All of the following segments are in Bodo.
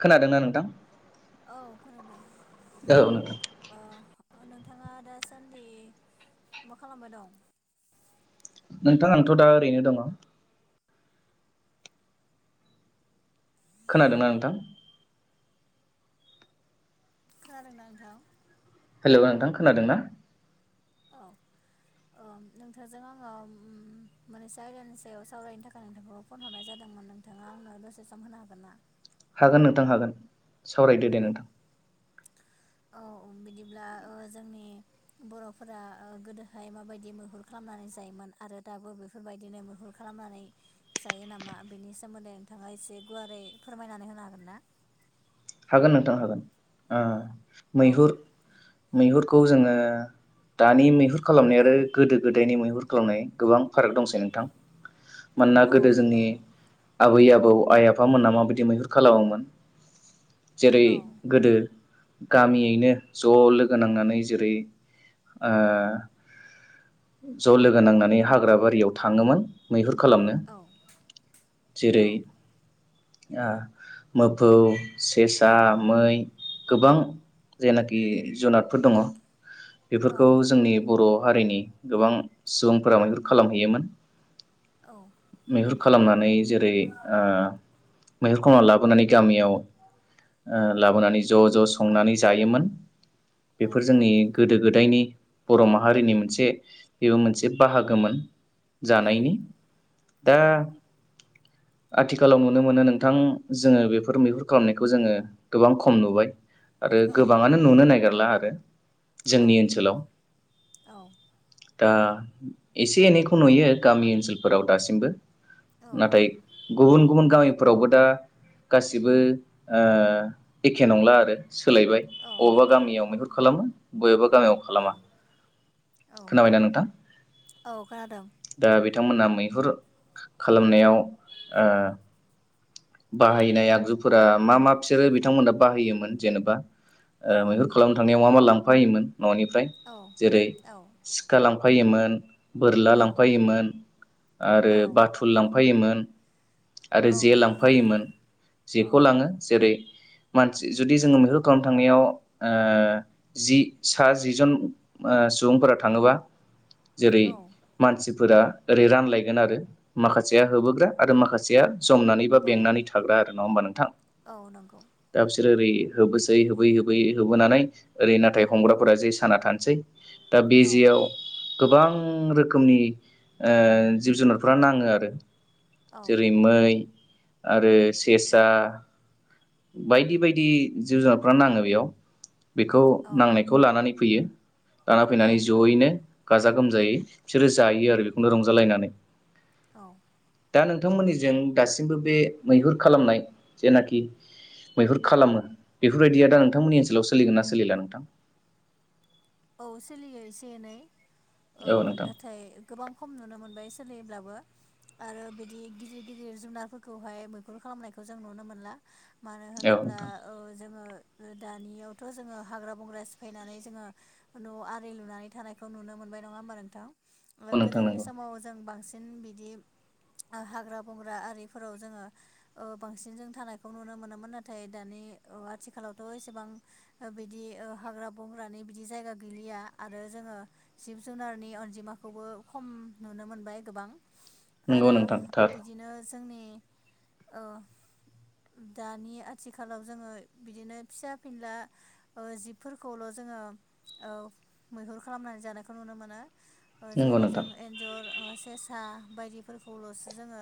खोनादोंना नोंथां? औ खोनादों औ नोंथां अ नोंथाङा दा सान्दि मा खालामबाय दं? नोंथां आंथ' दा ओरैनो दङ। खोनादोंना नोंथां? खोनादोंना नोंथां? हेलौ नोंथां खोनादों ना? औ औ नोंथांजों आङो मोनसे आयदानि सायाव सावरायनो थाखाय नोंथांखौ फन हरनाय जादोंमोन नोंथाङा आंनो दसे होनो हागोन ना? हागोन नोंथां हागोन। सावरायदो दे औ नोंथां। औ बिदिब्ला जोंनि बर'फोरा गोदोहाय माबायदि मैहुर खालामनानै जायोमोन आरो दाबो बेफोरबायदिनो मैहुर खालामनानै जायो नामा बिनि सोमोन्दै नोंथाङा एसे गुवारै फोरमायनानै होनो हागोन ना? हागोन नोंथां हागोन ओ औ मैहुर मैहुरखौ जोङो दानि मैहुर खालामनाय औ आरो गोदो गोदायनि मैहुर खालामनाय गोबां फाराग दंसै नोंथां। मानोना औ गोदो जोंनि नंगौ आबै आबौ आबौ आइ आफामोना माबायदि मैहुर खालामोमोन जेरै औ गोदो गामियैनो ज' लोगो नांनानै जेरै ओ ज' लोगो नांनानै हाग्रा बारियाव थाङोमोन मैहुर खालामनो औ जेरै औ ओ मोफौ सेसा, मै गोबां जेनाखि जुनारफोर दङ औ बेफोरखौ जोंनि बर' हारिनि गोबां सुबुंफोरा मैहुर खालामहैयोमोन। औ मैहुर खालामनानै जेरै ओ मैहुर खालामना लाबोनानै गामियाव ओ लाबोनानै ज' ज' संनानै जायोमोन। औ बेफोर जोंनि गोदो गोदायनि बर' माहारिनि मोनसे बेबो मोनसे बाहागोमोन। औ जानायनि औ दा आथिखालाव नुनो मोनो नोंथां जोङो बेफोर मैहुर खालामनायखौ जोङो गोबां खम नुबाय। आरो गोबाङानो नुनो नागिर ला आरो। जोंनि औ ओनसोलाव। औ दा एसे एनैखौ नुयो गामि ओनसोलफोराव दासिमबो। औ नाथाय गुबुन गुबुन गामिफोरावबो दा गासिबो। ओ एखे नंला आरो। सोलायबाय औ बबावबा नंगौ गामियाव मैहुर खालामो बयबो [unintelligible] औ औ खोनाबाय ना नोंथां ओ औ खोनादों बि बिथांमोना मैहुर खालामनायाव बाहायनाय ओ आगजु फोर मा मा बिसोरो बिथांमोना बाहायोमोन जेनेबा ओ औ मैहुर खालामनो थांनायाव मा मा लांफायोमोन। न'निफ्राय औ जेरै औ सिखा लां फायोमोन। बोरला औ लांफायोमोन औ आरो बाथुल लांफा फायोमोन। औ आरो जे लांफायोमोन। बेखौ लाङो जेरै मानसि जुदि जोङो मैहुर खालामनो थांनायाव ओ जि सा जि जन सुबुंफोरा थाङोबा जेरै औ मानसि फोरा ओरै रानलायगोन आरो माखासेया होबोग्रा आरो माखासेया जमनानै बा औ बेंनानै थाग्रा आरो। नङा होमबा नोंथां। औ नंगौ। दा बिसोर ओरै होबोसै होबोयै होबोयै होबोनानै ओरै नाथाय हमग्राफोरा जे साना थानोसै। दा बे औ जेयाव गोबां रोखोमनि ओ जिब जुनारफोरा नाङो आरो। औ जेरै मै आरो सेसा बायदि बायदि जिब जुनारफोरा नाङो बेयाव। बेखौ नांनायखौ लानानै फैयो। लाना औ फैनानै ज'यैनो गाजा-गोमजायै बिसोरो जायो आरो बेखौनो रंजालायनानै औ, दा नोंथांमोननिजों दासिमबो बे मैहुर खालामनाय जेनाखि मैहुर खालामो बेफोरबायदिया दा नोंथांमोननि ओनसोलाव सोलिगोना सोलिला नोंथां? औ सोलियो एसे-एनै। ओ औ नोंथां नाथाय! गोबां खम नुनो मोनबाय सोलियोब्ला बो, आरो बिदि गिदिर गिदिर जुनारफोरखौहाय मैहुर खालामनायखौ जों नुनो मोनला मानो औ होनोब्ला नोंथां जोङो दानियावथ' जोङो हाग्रा बंग्रा सिफायनानै जोङो न' आरि लुनानै थानायखौ नुनो मोनबाय नङा होमबा नोंथां? औ नोंथां गोदोनि नंगौ समाव जों बांसिन बिदि हाग्रा-बंग्रा आरिफोराव जोङो ओ बांसिन जों थानायखौ नुनो मोनोमोन नाथाय दानि आथिखालावथ' एसेबां बिदि हाग्रा बंग्रानि बिदि जायगा गैलिया आरो जोङो जिब जुनारनि अनजिमाखौबो खम नुनो मोनबाय गोबां नंगौ आरो नोंथां थार बिदिनो जोंनि ओ! दानि आथिखालाव जोङो बिदिनो फिसा-फिनला जिबफोरखौल' जोङो औ, मैहुर खालामनानै जानायखौ नुनो मोनो नंगौ जेरै जों नोंथां एन्जर, ओ सेसा बायदिफोरखौल'सो जोङो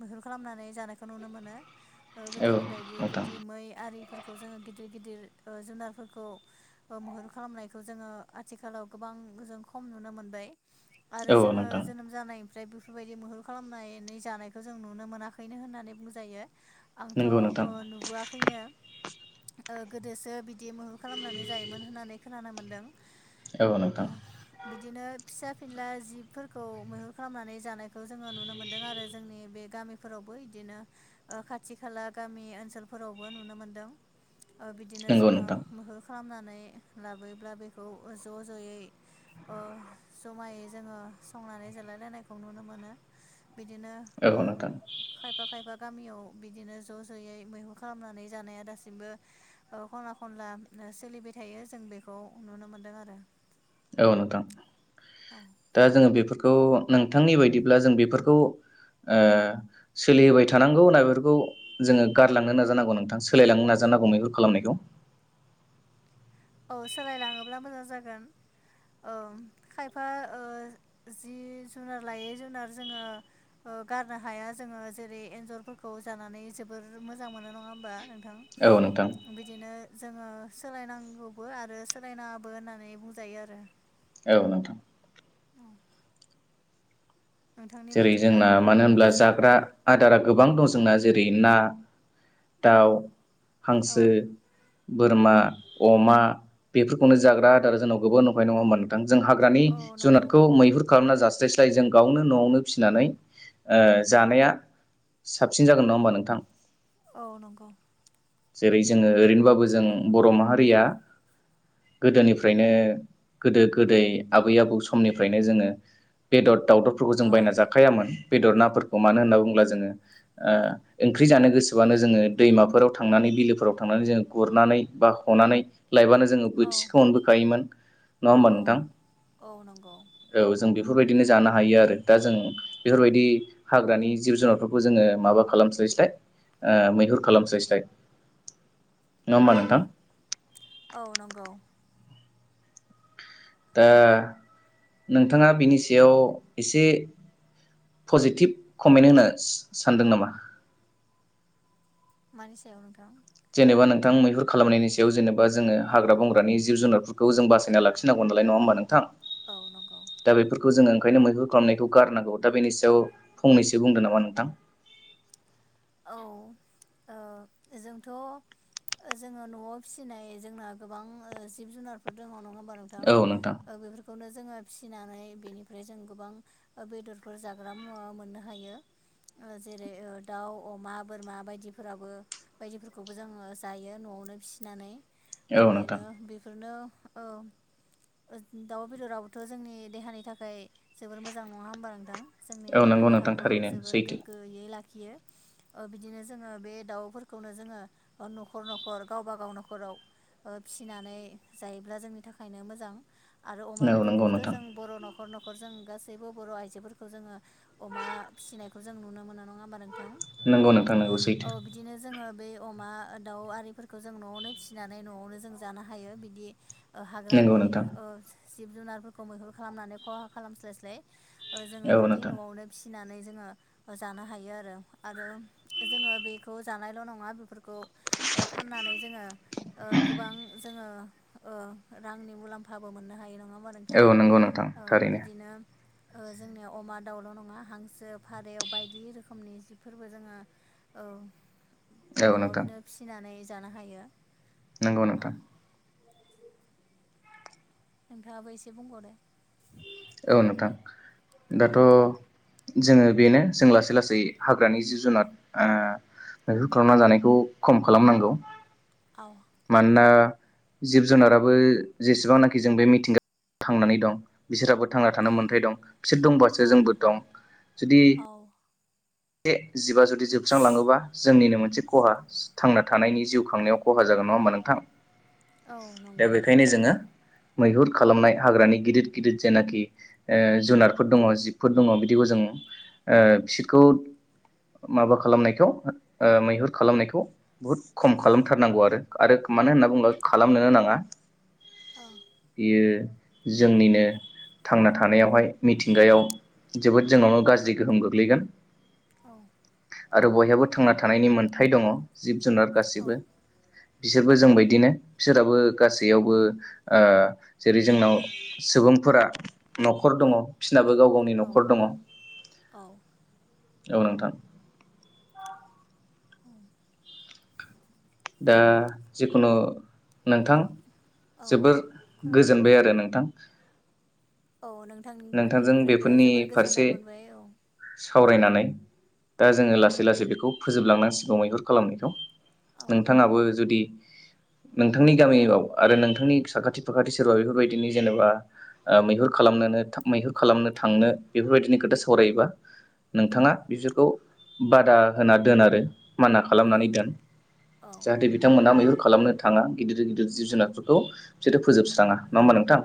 मैहुर खालामनानै जानायखौ नुनो मोनो। ओ औ गोदोनि बायदि नोंथां बिदि मै आरि फोरखौ जोंङो गिदिर-गिदिर ओ जुनारफोरखौ ओ मैहुर खालामनाय- खौ जोङो आथिखालाव गोबां जों खम नुनो मोनबाय आरो औ जोङो नोंथां जोनोम जानाय जाय बेफोरबायदि मैहुर खालामनानै जानायखौ जों नुनो मोनाखैनो होननानै बुंजायो। आंथ' नंगौ ओ नोंथां नुबोयाखैनो ओ गोदोसो बिदि मैहुर खालामनानै जायोमोन होननानै खोनानो मोन्दों। औ नोंथां फिसा-फिनला जिबफोरखौ मैहुर खालामनानै जानायखौ जोङो नुनो मोनदों आरो जोंनि बे गामिफोरावबो इदिनो ओ खाथि खाला गामि ओनसोलफोरावबो नुनो मोनदों। ओ बिदिनो नंगौ जोङो नोंथां मैहुर खालामनानै बे लाबोयोब्ला बेखौ ज'-ज'यै ओ ज'मायै जोङो संनानै जालायलायनायखौ नुनो मोनो। बिदिनो औ ओ नोंथां खायफा-खायफा गामियाव बिदिनो ज'-ज'यै मैहुर खालामनानै जानाया दासिमबो ओ खनला-खनला सोलिबाय थायो। जों बेखौ नुनो मोनदोंआरो। औ नोंथां, दा जोङो बेफोरखौ नोंथांनि बायदिब्ला जों बेफोरखौ ओ सोलिहोबाय थानांगौ ना बेफोरखौ जोङो गारलांनो नाजानांगौ नोंथां? सोलायलांनो नाजानांगौ बेैफोर खालामनायखौ। औ सोलायलाङोब्ला मोजां जागोन अ खायफा ओ जि जुनार लायै जुनार जोङो ओ गारनो हाया जोङो जेरै एन्जरफोरखौ जानानै जोबोर मोजां मोनो नङा होमबा औ नोंथां थां बिदिनो जोङो सोलायनांगौ बो आरो सोलायनाबो होननानै बुंजायो आरो औ नोंथां औ नोंथांनि जेरै बायदिब्ला जोंना मानो होनब्ला एसे जाग्रा फोरमायदो आदारा गोबां दं औ जोंना जेरै ना दाउ उम औ हांसो बोरमा अमा बेफोरखौनो जाग्रा आदार जोनाव गोबां नंखा नङा होमब जों हाग्रानि औ नंगौ जुनातखौ मैहुर खालामना जास्लायस्लाय जों गावनो न'आवनो फिसिनानै ओ जानाया साबसिन जागोन नङा होमबा नोंथां औ नंगौ जेरै जोङो ओरैनोबाबो जों बर' माहारिया गोदोनिफ्रायनो गोदो गोदै आबै आबौ समनिफ्रायनो जोङो बेदर दाउ दबखो जों औ जा जायामोन बेदर नाफोरखौ मानो होन्ना बुङोब्ला जोङो ओ ओंख्रि जानो गोसोबानो जोङो दैमाफोराव थांनानै बिलोफोराव थांनानै जोङो गुरनानै बा हनानै लाइबानो जोङो औ बोथिसेखौ मोनबोखायोमोन नङा होमबा औ नोंथां औ नंगौ औ जों बेख बेफोरबायदिनो जानो हायो आरो दा जों बेफोरबायदि हाग्रानि जिब जुनारफोरखौ जोङो माबा खालामस्लाय मैहुर खालामस्लायस्लाय नङा होमबा औ नोंथां औ नंगौ औ दा नोंथाङा बिनि सायाव एसे पजिटिभ कमेन्ट होनो सानदों नामा मानिसायाव नोंथां जेनेबा नोंथां मैहुर खालामनायनि सायाव जेनेबा बा जोङो औ हाग्रा बंग्रानि जिब जुनारफोर खौ जों बासायना लाखिनांगौ नालाय नङा होमबा नोंथां औ नंगौ दा बेफोरखौ जोङो ओंखायनो मैहुर खालामनायखौ गारनांगौ दा बेनि सायाव फंनैसो बुंदों नामा नोंथां औ जोंथ' जोङो न'आव फिसिनाय जोंना गोबां जिब जुनारफोर दङ नङा नोंथां बेफोरखौनो जोङो फिसिनानै बेनिफ्राय जों गोबां बेदरफोर जाग्रा मुवा मोननो हायो जेरै दाउ अमा बोरमा बायदिफोराबो बायदिफोरखौबो जोङो जायो न'आवनो फिसिनानै औ नोंथां बिदिनो बेफोरनो औ दाउ बेदराबोथ' जोंनि देहानि थाखाय जोबोर मोजां नङा होमबा नोंथां जोंनि औ नंगौ नोंथां देहाखौ थारैनो जोबोर सैथो गोग्गोयै लाखि बियो बिदिनो जोङो बे दाउफोरखौनो जोङो न'खर न'खर गावबागाव न'खराव फिसिनानै जायोब्ला जोंनि थाखायनो मोजां आरो अमा औ नंगौ बेदरखौबोथ' नोंथां जों बर' न'खर न'ख न'खर जों गासैबो बर' आइजोफोरखौ जोङो अमा फिसिनायखौ जों नुनो मोनो नङा होमबा नोंथां नंगौ नोंथां सैथो औ बिदिनो जोङो बे अमा दाउ आरिफोरखौ जों न'आवनो फिसिनानै न'आवनो जों जानो हायो बिदि नंगौ हाग्रानि नोंथां ओ जिब जुनारफोरखौ मैहुर खालामनानै खहा खालामस्लायस्लाय जोङो औ बिदि नोंथां न'आवनो फिसि फिसिनानै जोङो जानो हायो आरो आरो जोङो बेखौ जानायल' नङा बेफोरखौ फाननानै जोङो ओ गोबां जोङो ओ रांनि मुलाम्फाबो मोननो हायो नङा होमबा नोंथां औ नंगौ नोंथां औ थारैनो बिदिनो ओ जोंनिया अमा, दाउल' नङा हांसो, फारौ बायदि रोखोमनि जिब फोरबो जोङो औ न'आवनो फिसिनानै जानो हायो नोंगौ ओ नोंथां नोंथाङाबो एसे बुंबावदो औ नोंथां दाथ' जोङो बेनो जों लासै लासै हाग्रानि जिब जुनार ओ मैहुर खालामना जानायखौ खम खालामनांगौ आव मानोना जिब जुनाराबो जेसेबांनाखि जों बे मिथिंगा थांनानै दं बिसोराबो थांना आ थानो मोन्थाय दं बिसोर दंबासो आव जोंबो दं जुदि आव बे जिबा जुदि जोबस्रांलाङोबा जोंनिनो मोनसे खहा थांना थानायनि जिउ खांनायाव खहा जागोन नङा होमबा नोंथां औ दा नंगौ बेखायनो जोङो मैहुर खालामनाय हाग्रानि गिदिर गिदिर जेनाखि ओ जुनारफोर दङ जिबफोर दङ बिदिखौ जों ओ बिसोरखौ माबा खालामनायखौ ओ मैहुर खालामनायखौ बुहुद खम खालामथारनांगौ आरो आरो मानो होनना बुङोब्ला खालामनोनो नाङा ओ बियो जोंनिनो थांना थानायावहाय मिथिंगायाव जोबोद जोंनावनो गाज्रि गोहोम गोग्लैगोन औ आरो बयहाबो थांना थानायनि मोनथाय दङ जिब जुनार औ गासिबो औ बिसोरबो जोंबायदिनो बिसोराबो गासैयावबो ओ जेरै जोंनाव सुबुंफोरा न'खर दङ बिसिनाबो गाव गावनि औ न'खर दङ औ औ नोंथां दा जिखुनु नोंथां औ जोबोर खोनादों गोजोनबाय आरो नोंथां औ नोंथांजों नोंथांनिफ्रायबो बेफोरनि जोबोर फारसे गोजोननाय मोनबाय औ सावरायनानै दा औ जोङो लासै लासै बेखौ फोजोबलांनांसिगौ मैहुर खालामनायखौ औ नोंथाङाबो जुदि नोंथांनि गामियाव आरो नोंथांनि साखाथि फाखाथि सोरबा बेफोरबायदिनि जेनेबा मैहुर खालामनोनो मैहुर खालामनो थांनो बेफोरबायदिनि खोथा सावरायोबा औ नोंथाङा बिसोरफोरखौ बादा होना दोन आरो माना औ खालामनानै दोन औ जाहाथे बिथांमोना नंगौ मैहुर खालामनो थाङा गिदिर गिदिर जिब औ जुनारफोरखौ बिसोरो फोजोबस्राङा नङाहोमबा नोंथां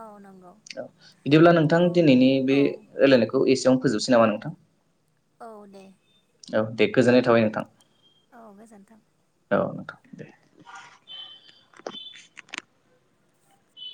औ नंगौ। औ बिदिब्ला नोंथां औ दिनैनि बे औ रायलायनायखौ एसेयावनो फोजोबसै नामा नोंथां औ दे औ दे गोजोननाय थाबाय नोंथां औ गोजोन्थों औ थां [unintelligible] [unintelligible]